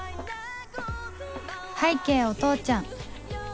拝啓お父ちゃん